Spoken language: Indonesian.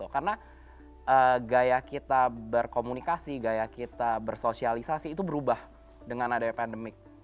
karena gaya kita berkomunikasi gaya kita bersosialisasi itu berubah dengan adanya pandemik